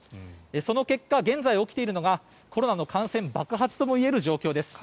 その結果、現在起きているのがコロナの感染爆発という状況です。